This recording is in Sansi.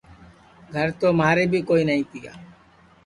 گھر تو مھارے بی کوئی نائی تیا